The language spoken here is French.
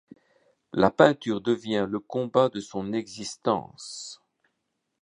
La peinture devient le combat de son existence.